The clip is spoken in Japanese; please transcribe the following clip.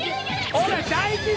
ほら。